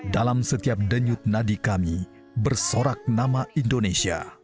dalam setiap denyut nadi kami bersorak nama indonesia